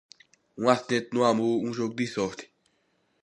Um acidente no amor, um jogo de sorte.